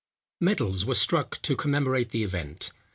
Medals were struck to commemorate the event.